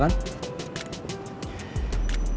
gue gak tau